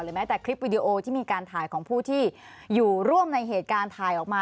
แม้แต่คลิปวิดีโอที่มีการถ่ายของผู้ที่อยู่ร่วมในเหตุการณ์ถ่ายออกมา